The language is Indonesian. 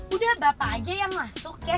udah bapak aja yang masuk ya